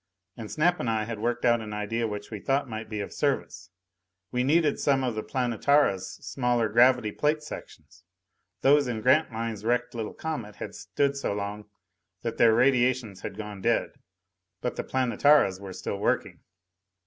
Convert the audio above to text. And Snap and I had worked out an idea which we thought might be of service. We needed some of the Planetara's smaller gravity plate sections. Those in Grantline's wrecked little Comet had stood so long that their radiations had gone dead. But the Planetara's were still working.